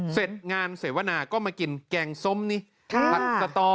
เสร็จงานเสวนาก็มากินแกงส้มนี่ผัดสตอ